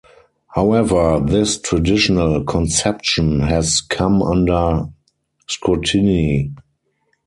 However, this traditional conception has come under scrutiny.